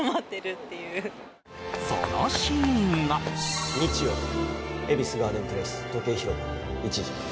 っていうそのシーンが日曜恵比寿ガーデンプレイス時計広場１時